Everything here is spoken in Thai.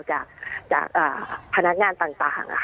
จากพนักงานต่าง